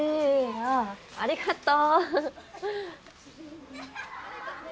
ああありがとう。